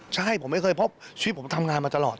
ใช่ผมไม่เคยพบชีวิตผมทำงานมาตลอด